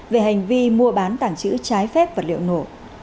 về hành vi mua bán tảng chữ trái phép vật liệu nổ